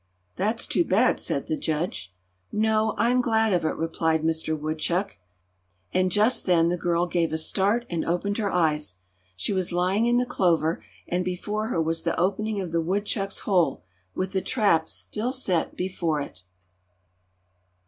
"That's too bad," said the judge. "No, I'm glad of it," replied Mister Woodchuck. And just then the girl gave a start and opened her eyes. She was lying in the clover, and before her was the opening of the woodchuck's hole, with the trap still set before it.